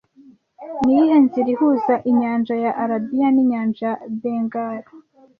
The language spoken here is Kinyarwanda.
Niyihe nzira ihuza inyanja ya Arabiya ninyanja ya Bengal